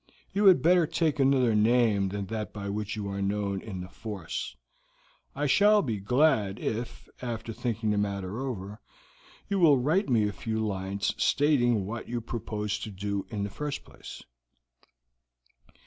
You had better take another name than that by which you are known in the force. I shall be glad if, after thinking the matter over, you will write me a few lines stating what you propose to do in the first place."